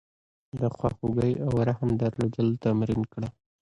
د خواخوږۍ او رحم درلودل تمرین کړه.